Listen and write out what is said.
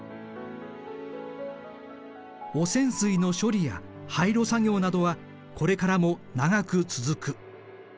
汚染水の処理や廃炉作業などはこれからも長く続く。